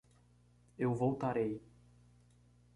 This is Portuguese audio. Eu voltarei.